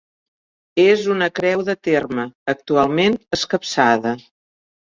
És una creu de terme, actualment escapçada.